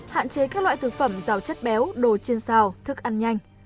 hạn chế các loại thực phẩm giàu chất béo đồ chiên xào thức ăn nhanh